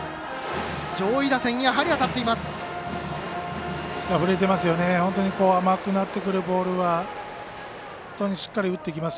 上位打線、やはり当たっています。